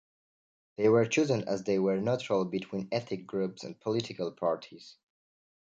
They were chosen as they were neutral between ethnic groups and political parties.